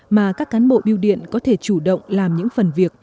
mà các cán bộ biêu điện có thể chủ động làm những phần việc